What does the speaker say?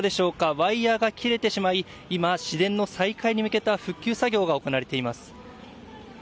ワイヤが切れてしまい今、市電の再開に向けた復旧作業が行われています。